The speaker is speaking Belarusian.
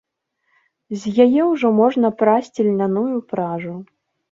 З яе ўжо можна прасці льняную пражу.